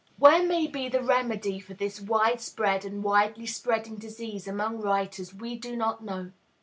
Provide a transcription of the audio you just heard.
Where may be the remedy for this widespread and widely spreading disease among writers we do not know.